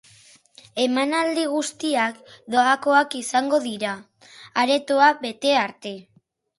Emanaldi guztiak doakoak izango dira, aretoa bete arte.